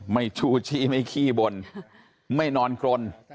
ไม่ชูชี้ไม่ขี้บนไม่นอนคลน